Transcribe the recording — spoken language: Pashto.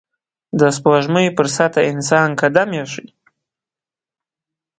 د سپوږمۍ پر سطحه انسان قدم ایښی